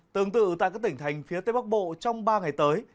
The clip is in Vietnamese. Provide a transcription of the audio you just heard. tương tự tại các tỉnh thành phía tây bắc bộ trong ba ngày tới